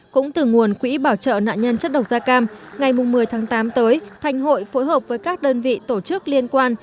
cũng từ nguồn quỹ bảo trợ nạn nhân chất độc da cam ngày một mươi tháng tám tới thành hội phối hợp với các đơn vị tổ chức liên quan